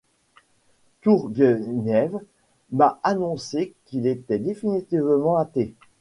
Tourgueniev m'a annoncé qu'il était définitivement athée.